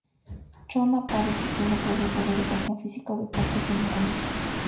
John aparece siendo profesor de educación física o deportes en un colegio.